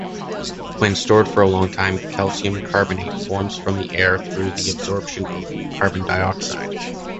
When stored for a long time, calcium carbonate forms from the air through the absorption of carbon dioxide.